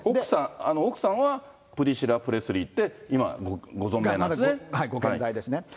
奥さんはプリシラ・プレスリーって、今、ご健在ですね。